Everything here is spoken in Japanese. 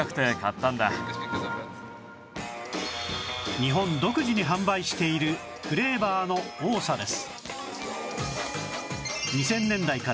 日本独自に販売しているフレーバーの多さです